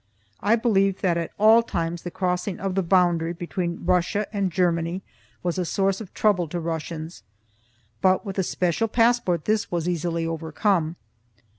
I believe that at all times the crossing of the boundary between Russia and Germany was a source of trouble to Russians, but with a special passport this was easily overcome.